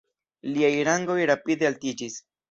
Liaj rangoj rapide altiĝis.